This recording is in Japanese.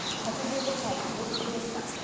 ８５歳、老衰でした。